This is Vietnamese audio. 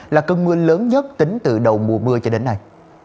là cơn mưa lớn nhất tính từ đầu mùa mưa cho đến nay